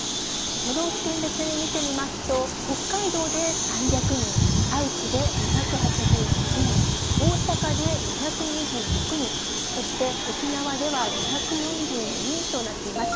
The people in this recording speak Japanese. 都道府県別で見てみますと、北海道で３００人、愛知で２８８人、大阪で２２６人、そして沖縄では２４４人となっています。